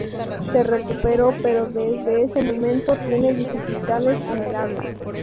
Se recuperó pero desde ese momento tiene dificultades en el habla.